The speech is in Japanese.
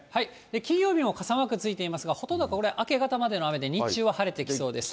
金曜日も傘マークついていますが、ほとんどこれ、明け方までの雨で、日中は晴れてきそうです。